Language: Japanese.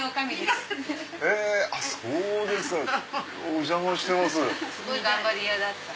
お邪魔してます。